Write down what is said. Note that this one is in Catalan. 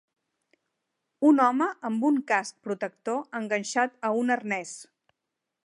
Un home amb un casc protector enganxat a un arnès.